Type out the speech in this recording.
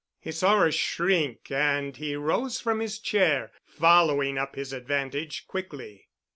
He saw her shrink and he rose from his chair, following up his advantage quickly.